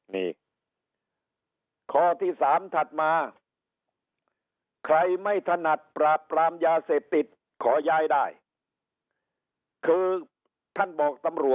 นี่ข้อที่สามทัดมาใครไม่ถนัดปราบปรามยาเสพติดขอย่ายได้